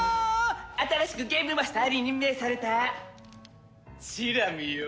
新しくゲームマスターに任命されたチラミよ。